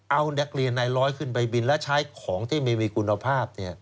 เอานักเรียนในร้อยขึ้นไปบินและใช้ของที่ไม่มีคุณภาพ